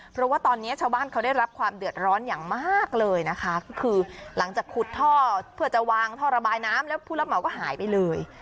เพราะว่าตอนนี้ชาวบ้านเขาได้รับความเดือดร้อนอย่างมากเลยนะคะก็คือหลังจากขุดท่อเพื่อจะวางท่อระบายน้ำแล้วผู้รับเหมาก็หายไปเลย